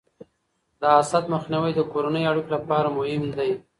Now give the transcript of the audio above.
د حسد مخنیوی د کورنیو اړیکو لپاره مهم دی.